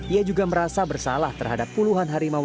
ia juga merasa bersalah terhadap puluhan harimau